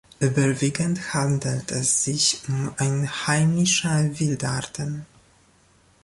Überwiegend handelt es sich um einheimische Wildarten.